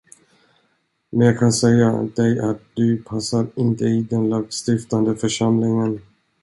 Men jag kan säga dig att du passar inte i den lagstiftande församlingen.